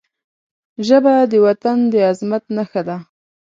ژبه د وطن د عظمت نښه ده